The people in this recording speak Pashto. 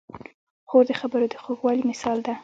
خور د خبرو د خوږوالي مثال ده.